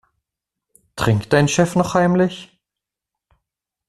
Trinkt dein Chef noch heimlich?